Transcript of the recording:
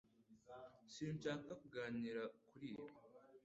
Sinshaka kuganira kuri ibi